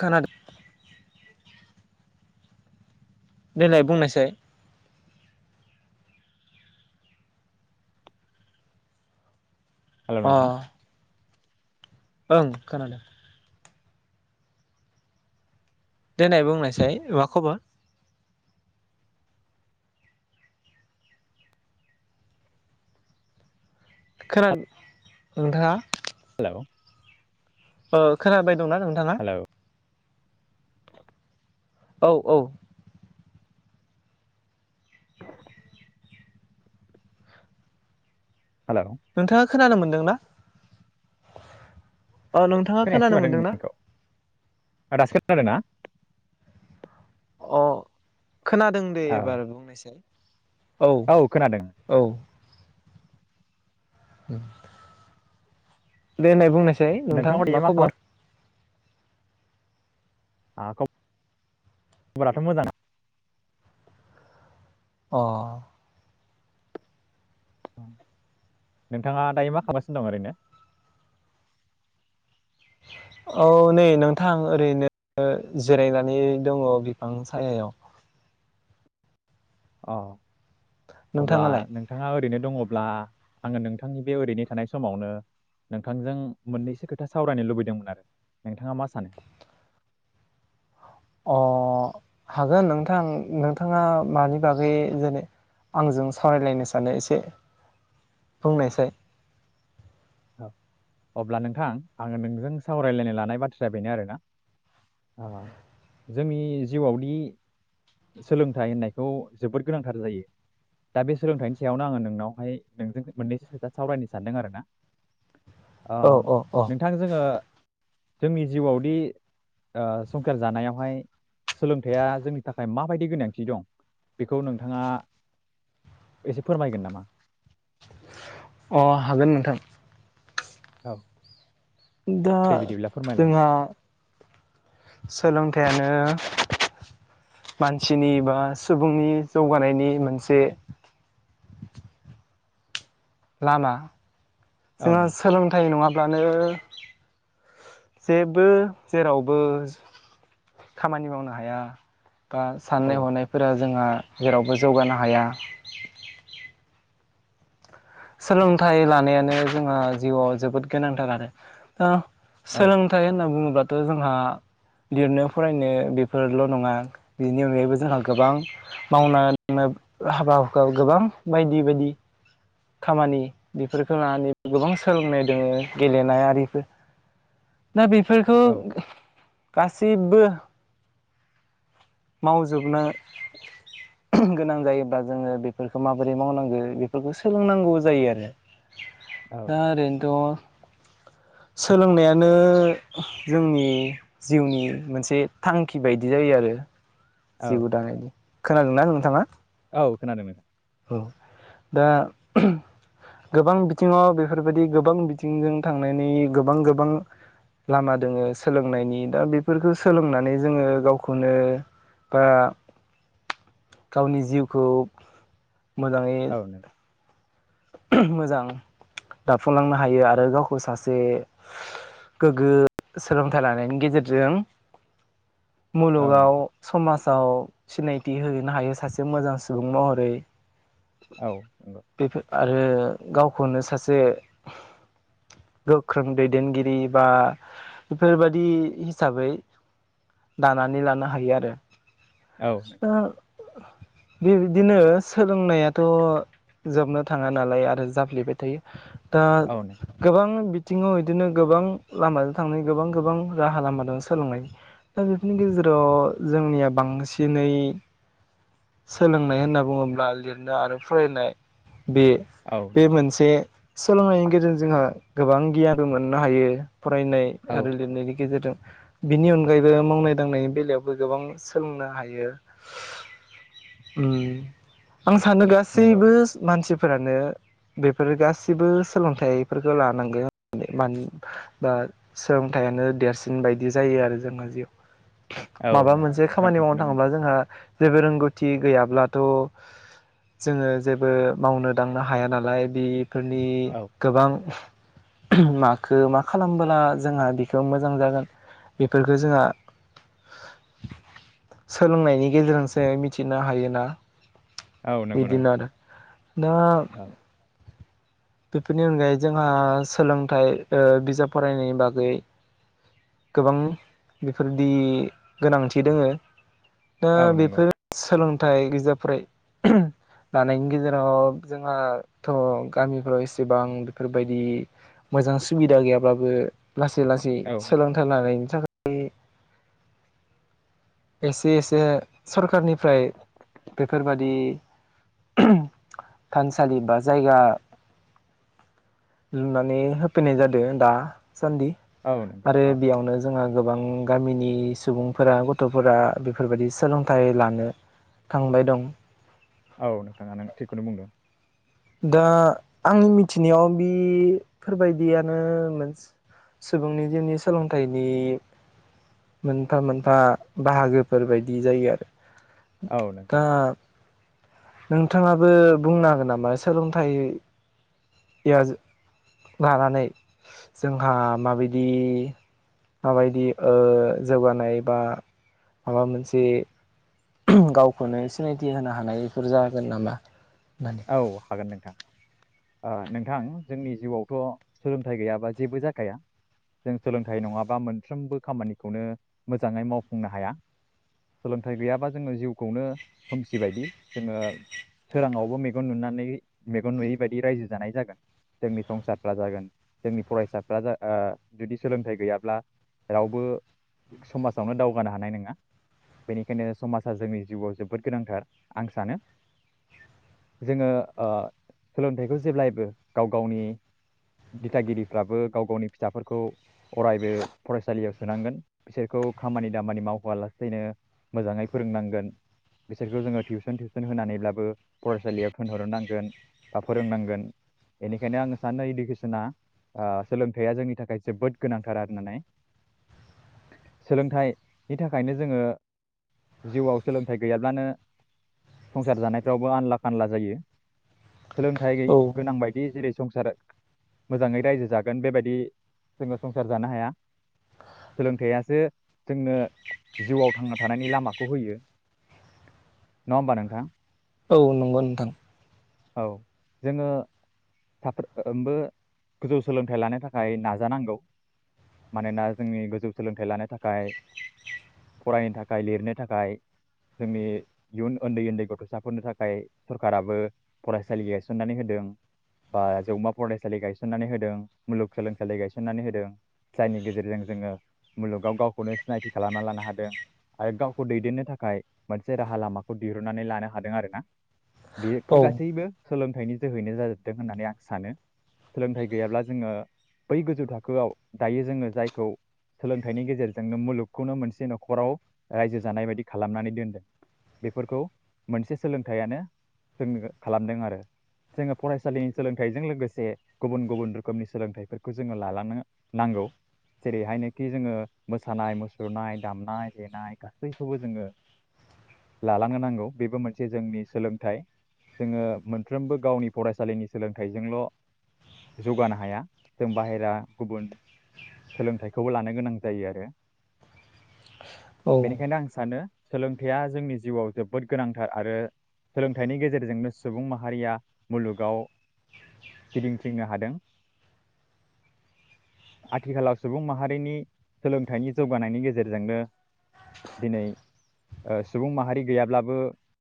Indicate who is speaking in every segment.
Speaker 1: खोनाड देलाय बुंनायसाय
Speaker 2: हेल'
Speaker 1: अ
Speaker 2: नोंथां
Speaker 1: ओं खोनादो देनाय बुंनायसाय मा खबर? खोनान नोंथाङा
Speaker 2: [unintelligible]
Speaker 1: ओ खोनाबा दंना नोंथाङा
Speaker 2: हेल'
Speaker 1: औ औ
Speaker 2: हेल'
Speaker 1: नोंथाङा खोनानो मोनदों ना? औ नोंथाङा
Speaker 2: खोनायाखिसै
Speaker 1: खोनानो
Speaker 2: माथो
Speaker 1: मोनदोंना?
Speaker 2: नोंनिखौ [unintelligible]
Speaker 1: अ खोनादों दे
Speaker 2: औ
Speaker 1: एबार बुंनोसाय औ औ देनाय बुंनाय साय नोंथां
Speaker 2: नोंथाङा
Speaker 1: मा
Speaker 2: दायो खालाम
Speaker 1: खबर?
Speaker 2: खब राथ' मोजां
Speaker 1: अ
Speaker 2: नोंथाङा दायो मा खालामगासिनो दं ओरैनो?
Speaker 1: औ नै नोंथां ओरैनो जिरायनानै दङ बिफां सायायाव।
Speaker 2: अ अब्ला
Speaker 1: नोंथाङालाय
Speaker 2: नोंथाङा ओरैनो दङब्ला आङो नोंथांनि बे ओरैनो थानाय समावनो नोंथांजों मोननैसो खोथा सावरायनो लुबैदोंमोन आरो नोंथाङा मा सानो?
Speaker 1: अ हागोन नोंथां नोंथाङा मानि बागै जेने आंजों सावरायलायनो सानो एसे बुंनायसाय?
Speaker 2: अब्ला नोंथां आङो नोंजों सावरायलायनो लानाय बाथ्राया बेनो आरोना ओ जोंनि जिउआवदि सोलोंथाइ होननायखौ जोबोद गोनांथार जायो दा बे सोलोंथाइनि सायावनो आङो नोंनावहाय नोंजों मोननैसो खोथा सावरायनो सानदों आरोना। ओ
Speaker 1: औ औ औ
Speaker 2: नोंथां जोङो जोंनि जिउआवदि ओ संखार जानायावहाय सोलोंथाइया जोंनि थाखाय माबायदि गोनांथि दं बेखौ नोंथाङा एसे फोरमायगोन नामा?
Speaker 1: अ हागोन नोंथां।
Speaker 2: औ
Speaker 1: दा
Speaker 2: दे बिदिब्ला फोरमायलाय
Speaker 1: जोंहा
Speaker 2: नोंथां
Speaker 1: सोलोंथाइयानो ओ मानसिनि बा सुबुंनि जौगानायनि मोनसे लामा
Speaker 2: औ
Speaker 1: जोङो
Speaker 2: नों
Speaker 1: सोलोंथाइ नङाब ब्लानो जेबो जेरावबो खामानि मावनो हाया। बा
Speaker 2: औ
Speaker 1: साननाय हनायफोरा जोंहा जेरावबो जौगानो हाया सोलोंथाइ लानायानो जोंहा जिउआव जोबोद गोनांथार आरो
Speaker 2: औ
Speaker 1: सोलोंथाइ होनना बुङोब्ला थ जोंहा लिरनो फरायनो बेफोरल' नङा बेनि अनगायैबो जोंहा गोबां मावना [inaudible] हाबा हुखा गोबां बायदि बायदि खामानि बेफोरखौ लानानै गोबां सोलोंनाय दोङो गेलेनाय आरिफोर दा बेफोरखौ
Speaker 2: औ
Speaker 1: गासिबबो मावजोबनो गोनां जायोब्ला जोङो बेफोरखौ माबोरै मावनांगो बेफोरखौ सो सोलोंनांगौ जायो आरो
Speaker 2: औ
Speaker 1: दा ओरैनोथ' सोलोंनायानो जोंनि जिउनि मोनसे थांखि बायदि जायो आरो जिउ दानायनि खोनादोंना नोंथाङा?
Speaker 2: औ खोनादों नों
Speaker 1: औ दा गोबां बिथिङाव बेफोरबायदि गोबां बिथिंजों थांनायनि गोबां गोबां लामा दोङो सोलोंनायनि दा बेफोरखौ सोलोंनानै जोङो गावखौनो बा गावनि जिउखौ मोजाङै
Speaker 2: औ नों
Speaker 1: मोजां दाफुंलांनो हायो आरो गावखौ सासे गोग्गो सोलोंथाइ लानायनि गेजेरजों
Speaker 2: औ
Speaker 1: मुलुगाव
Speaker 2: नों
Speaker 1: समाज आव सिनायथि होहोनो हायो सासे मोजां सुबुं महरै‌।
Speaker 2: औ नंग [unintelligible]
Speaker 1: आरो गावखौनो सासे गोख्रों दैदेनगिरि बा बेफोरबादि हिसाबै दानानै लानो हायो आरो दा बेबायदिनो सोलोंनायाथ जोबनो थाङा नालाय आरो जाफ्लेबाय थायो दा
Speaker 2: औ नंगौ
Speaker 1: गोबां बि थिङाव बिदिनो गोबां लामाजों थांनाय गोबां गोबां राहा लामा दं सोलोंनाय दा बेफोरनि गेजेराव जोंनिया बांसिनै सोलोंनाय होनना बुङोब्ला लिरनो आरो फरायनाय बे
Speaker 2: औ नों औ
Speaker 1: बे
Speaker 2: नंगौ
Speaker 1: मोनसे सोलोंनायनि गेजेरजों जोंहा गोबां गियानबो मोननो हायो। फरायनाय
Speaker 2: औ
Speaker 1: आरो लिरनायनि गेजेरजों। बिनि अनगायैबो मावनाय दांनायनि बेलायावबो गोबां सोलोंनो हायो। आं सानो
Speaker 2: नंगौ
Speaker 1: गासैबो। मानसिफोरानो बेफोर गासिबो सोलोंथाइफोरखौ लानांगोन होननानै मानो बा सोलोंथाइानो देरसिन बायदि जायो आरो जोंहा जिआव
Speaker 2: औ
Speaker 1: माबा
Speaker 2: नंगौ
Speaker 1: मोनसे
Speaker 2: नोंथाङा
Speaker 1: खामानि मावनो
Speaker 2: थिगखौनो बुंदों
Speaker 1: थाङोबा जोंहा। जेबो रोंगौथि गैयाब्लाथ जोङो जेबो बो मावनो दांनो हाया नालाय बि फोरनि
Speaker 2: औ
Speaker 1: गोबां माखौ मा खालामबोला जोंहा बिखौ मोजां जागोन बेफोरफोरखौ जोंहा सोलोंनायनि गेजेरजोंसो मिथिनो हायोना
Speaker 2: औ नंगौ-नंगौ
Speaker 1: बिदिनो आरो दा बेफोरनि अनगायै जोंहा सोलोंथाइ ओ बिजाब फरायनायनि बागै गोबां बेफोरदि गोनांथि दङ। दा
Speaker 2: औ नंगौ
Speaker 1: बेफोर सोलों जाय बिजाबफ्राय लानायनि गेजेराव जोंहाथ गामिफ्राव एसेबां बेफोरबायदि मोजां सुबिदा गैयाब्लाबो। लासै लासै
Speaker 2: औ
Speaker 1: सोलोंथाइ लानाय। [unintelligible] एसे एसे सरखारारनिफ्राय बेफोरबायादि थानसालि बा जायगा लुनानै होफैनाय जादों दा। सान्दि
Speaker 2: औ नंगौ
Speaker 1: आरो
Speaker 2: औ
Speaker 1: बेयावनो जोंहा गोबां गामिनि सुबुंफोरा गथ गथफोरा बेफोरबायदि सोलोंथाइ लानो थांबाय दं।
Speaker 2: औ नोंथाङा नों थिगखौनो बुंदों।
Speaker 1: दा आंनि मिथिनायाव बिफोरबायदियानो सुबुंनि जिउनि सोलोंथाइनि मोनफा मोनफा बाहागोफोरबायायदि जायो आरो।
Speaker 2: औ नंगौ
Speaker 1: दा
Speaker 2: नोंथां
Speaker 1: नोंथाङाबो बुंनो हागोन नामा सोलोंथाइ [unintelligible] लानानै जोंहा माबायदि-माबायदि औ जौगानाय बा माबा मोनसे गावखौनो सिनायथि होनो हानाय बेफोर जागोन नामा। होननानै
Speaker 2: औ हागोन नोंथां। ओ नोंथां जोंनि जिउआवथ सोलोंथाइ गैयाबा जेबो जाखाया जों सोलोंथाइ नङाबा मोनफ्रोमबो खामानिखौनो मोजाङै मावफुंनो हाया सोलोंथाइ गैयाबा जोङो जिउखौनो खोमसि बायदि जोङो सोराङावबोे मेगन नुनानै मेगन नुयै बायदि रायजो जानाय जागोन जोंनि संसारफ्रा जागोन जोंनि फरायसाफ्रा जुदि सोलोंथाइ गैयाब्ला रावबो समाजावनो दावगानो हानाय नङा बेनिखायनो समाजा जोंनि जिउआव जोबोद गोनांथार आं सानो। जोङो सोलोंथाइखौ जेब्लायबो गाव गावनि दिथागिरिफ्राबो गाव गावनि फिसाफोरखौ अरायबो फरायसालियाव सोनांगोन बिसोरखौ खामानि दामानि मावहोआ लासेैनो मोजाङै फोरोंनांगोन बिसोरखौ जोङो टिउसन थटिउसन होनानैब्लाबो फरायसालियाव थोनहरनांगोन बा फोरोंनांगोन बेनिखायनो आङ सानो इडुकेसना सोलोंथाइया जोंनि थाखाय जोबोद गोनांथार आरो ननानै सोलोंथाइनि थाखायनो जोङो जिउआव सोलोंथाइ गैयाब्लानो संसार जानायफ्रावबो आनला खानला जायो। सोलोंथाइै
Speaker 1: औ
Speaker 2: गोनां बायदि जेरै- संसार मोजाङै रायजो जागोन बेबायदि जोङो संसार जानो हाया, सोलोंथाइसो जोंनो जिउआव थांना थानायनि लामाखौ होयो नङा होमबा नोंथां?
Speaker 1: औ नंगो नोंथां
Speaker 2: औ जोङो साफ्रोमबो गोजौ सोलोंथाइ लानो थाखाय नाजानांगौ मानोना जोंनि गोजौ सोलोंथाइ लानो थाखाय फरायनो थाखाय लिरनो थाखाय जोंनि इयुन उन्दै उन्दै गथ'साफोरनि थाखाय सरखाराबो फरायसालि गायस'ननानै होदों बा जौमा फरायसालि गायस'ननानै होदों मुलुगसोलोंसालि गायस'ननानै होदों जायनि गेजेरजों जोङो मुलुगाव गावखौनो सिनायथि खालामना लानो हादों आरो गावखौ दैदेननो थाखाय मोनसे राहा लामाखौ दिरुननानै लानो हादों आरो ना।
Speaker 1: औ
Speaker 2: बेफोर गासै- सोलोंथाइनि जोहैनो जाजोबदों होननानै आं सानो सोलोंथाइ गैयाब्ला जोङो बै गोजौ थाखोआव दायो जोङो जायखौ सोलोंथाइनि गेजेरजोंनो मुलुगखौनो मोनसे न'खराव रायजो जानाय बायदि खालामनानै दोनदों बेफोरखौ मोनसे सोलोंथाइयानो जोंनो खालामदों आरो जोङो फरायसालिनि सोलोंथाइजों लोगोसे गुबुन गुबुन रोखोमनि सोलोंथाइफोरखौ जोङो लालांनो नांगौ जेरैहायनोखि जोङो मोसानाय मुसुरनाय दामनाय देनाय गासैखौबो जोङो लालांनो नांगौ बेबो मोनसे जोंनि सोलोंथाइ। जोङो मोनफ्रोमबो गावनि फरायसालिनि सोलोंथाइजोंल' जौगानो हाया जों बाहेरा गुबुन सोलोंथाइखौबो लानो गोनां जायो आरो
Speaker 1: औ
Speaker 2: बेनिखायनो आं सानो सोलोंथाइया जोंनि जिउआव जोबोद गोनांथार आरो सोलोंथाइनि गेजेरजों गेजेरजोंनो सुबुं मारिया मुलुगाव गिदिंथिंनो हादों आथिखालाव सुबुं माहारिनि सोलोंथाइनि जौगानायनि गेजेरजोंनो दिनै सुबुं माहारि गैयाब्लाबो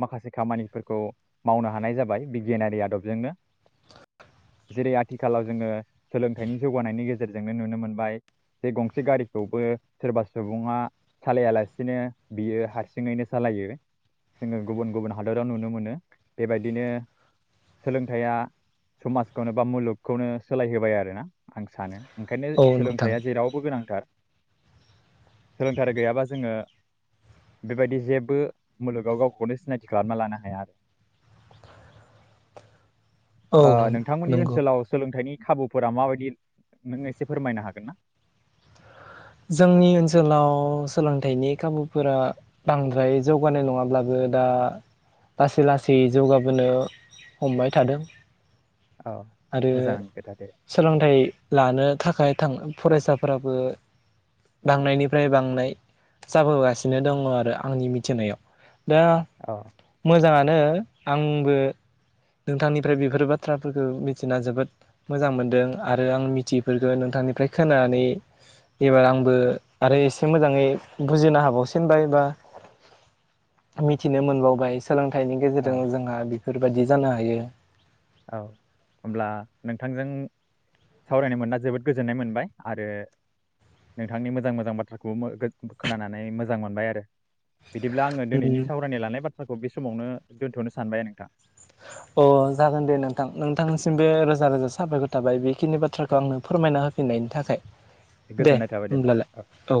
Speaker 2: माखासे खामानिफोरखौ- मावनो हानाय जाबाय बिगियानारि आदबजोंनो जेरै- आथिखालाव जोङो सोलोंथाइनि जौगानायनि गेजेरजोंनो नुनो मोनबाय जे गंसे गारिखौबो सोरबा सुबुङा सालायालासिनो बियो हारसिङैनो सालायो जोङो गुबुन गुबुन हादराव नुनो मोनो। बेबायदिनो सोलोंथाइया समाजखौनो बा मुलुगखौनो सोलायहोबाय आरोना आं सानो। ओंखायनो
Speaker 1: औ नोंथां
Speaker 2: सोलोंथाइआ जेरावबो गोनांथार। सोलोंथाइ गैयाबा जोङो बेबायदि जेबो मुलुगाव गावखौनो सिनायथि खालामना लानो हाया आरो
Speaker 1: औ
Speaker 2: ओ नोंथांमोननि
Speaker 1: नंगौ
Speaker 2: ओनसोलाव सोलोंथाइनि- खाबुफोरा माबायदि नों एसे फोरमायनो हागोन ना?
Speaker 1: जोंनि ओनसोलाव सोलोंथाइनि खाबुफोरा बांद्राय जौगानाय नङाब्लाबो दा लासै लासै जौगाबोनो हमबाय थादों।
Speaker 2: औ
Speaker 1: आरो
Speaker 2: मोजां खोथा दे
Speaker 1: सोलोंथाइ लानो थाखाय थां- फरायसाफोराबो- बांनायनिफ्राय बांनाय जाबोगासिनो दङ आरो आंनि मिथिनायाव, दा
Speaker 2: औ
Speaker 1: मोजाङानो- आंबो नोंथांनिफ्राय बेफोर बाथ्राफोरखौ मिथिना जोबोद मोजां मोनदों आरो आं -
Speaker 2: औ
Speaker 1: थिफोरखो नोंथांनिफ्राय खोना नानै- एबार आंबो आरो एसे मोजाङै बुजिनो हाबावसिनबाय बा मिथिनो मोनबावबाय। सोलोंथाइनि गेजेरजों
Speaker 2: औ
Speaker 1: जोंहा- बेफोरबायदि जानो हायो-
Speaker 2: औ होमब्ला नोंथांजों सावरायनो मोनना जोबोद गोजोननाय मोनबाय आरो नोंथांनि मोजां मोजां बाथ्राखौबो खोनानानै मोजां मोनबाय आरो। बिदिब्ला आङो दिनैनि सावरायनो लानाय बाथ्रा- खो बे समावनो दोनथ'नो सानबाय नोंथां
Speaker 1: [unintelligible] अ जागोन दे नोंथां नोंथांनिसिम बो रोजा रोजा साबायखर- थाबाय बे बेखिनि बाथ्राखौ आंनो फोरमायना होफिननायनि थाखाय- दे
Speaker 2: गोजोननाय थाबाय
Speaker 1: होमब्लालाय
Speaker 2: नोंथां
Speaker 1: औ।